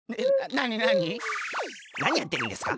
なにやってるんですか？